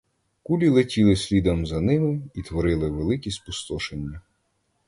Кулі летіли слідом за ними і творили великі спустошення.